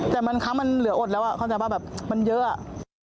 แต่ครั้งมันเหลืออดแล้วเข้าใจป่ะมันเยอะ